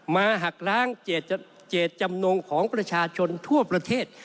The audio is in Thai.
หักล้างเจตจำนงของประชาชนทั่วประเทศ